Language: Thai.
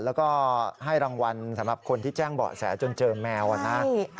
แล้วก็ให้รางวัลสำหรับคนที่แจ้งเบาะแสจนเจอแมวนะ